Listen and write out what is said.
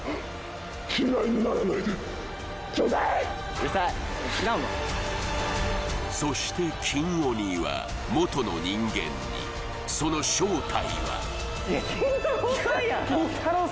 うるさい知らんわそして金鬼は元の人間にその正体は・いやキンタロー。